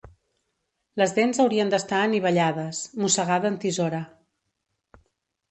Les dents haurien d'estar anivellades, mossegada en tisora.